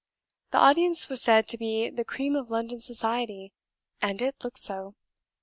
The audience was said to be the cream of London society, and it looked so.